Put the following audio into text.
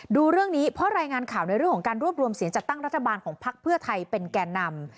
ดูเรื่องนี้เพราะรายงานข่าวในเรื่องของการรวบรวมเสียงจัดตั้งรัฐบาลของพักเพื่อไทยเป็นแก่นำ